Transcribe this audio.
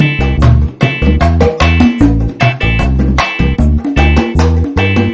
ini kayak nggak sama tragedian